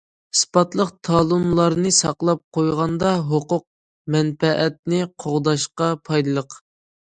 ئىسپاتلىق تالونلارنى ساقلاپ قويغاندا، ھوقۇق- مەنپەئەتنى قوغداشقا پايدىلىق.